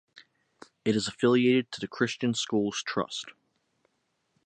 It is affiliated to the Christian Schools Trust.